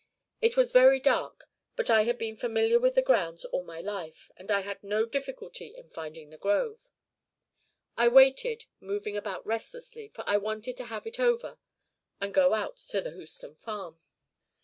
It was very dark, but I had been familiar with the grounds all my life and I had no difficulty in finding the grove. I waited, moving about restlessly, for I wanted to have it over and go out to the Houston farm.